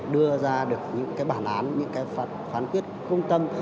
đưa ra được những cái bản án những cái phán quyết công tâm